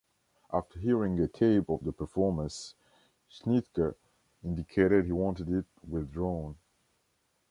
After hearing a tape of the performance, Schnittke indicated he wanted it withdrawn.